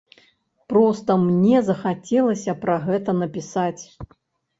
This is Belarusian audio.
Проста мне захацелася пра гэта напісаць.